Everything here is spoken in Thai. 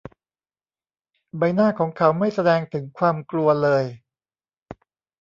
ใบหน้าของเขาไม่แสดงถึงความกลัวเลย